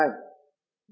đất trở đồng